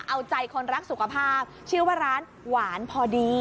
เอาใจคนรักสุขภาพชื่อว่าร้านหวานพอดี